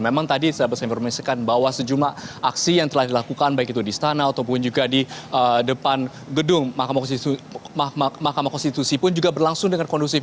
memang tadi saya informasikan bahwa sejumlah aksi yang telah dilakukan baik itu di istana ataupun juga di depan gedung mahkamah konstitusi pun juga berlangsung dengan kondusif